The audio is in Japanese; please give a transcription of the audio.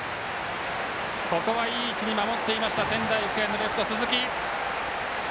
ここは、いい位置に守っていました仙台育英のレフト、鈴木。